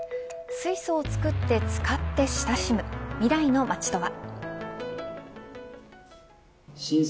水素を作って使って親しむ未来の街とは。